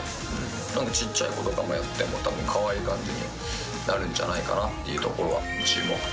なんかちっちゃい子とかやっても、たぶんかわいい感じになるんじゃないかなっていうところは注目。